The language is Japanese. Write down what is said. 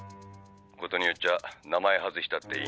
「ことによっちゃ名前外したっていいんだ」